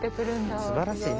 すばらしいね。